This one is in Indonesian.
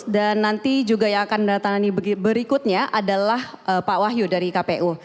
dan nanti juga yang akan menandatangani berikutnya adalah pak wahyu dari kpu